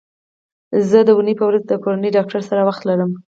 زه د دونۍ په ورځ د کورني ډاکټر سره وخت لرم